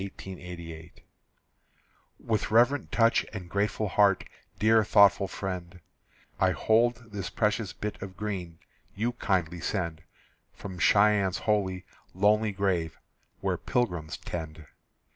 _) With reverent touch and grateful heart, Dear thoughtful friend, I hold this precious bit of green You kindly send From Cheyenne's holy, lonely grave, Where pilgrims tend.